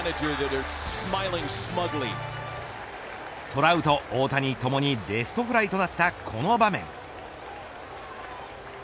トラウト、大谷ともにレフトフライとなったこの場面。